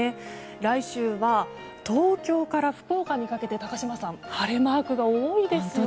来週は、東京から福岡にかけて高島さん、晴れマークが多いですよね。